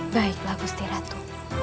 baiklah gusti ratu